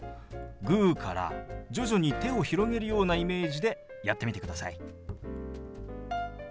グーから徐々に手を広げるようなイメージでやってみてください。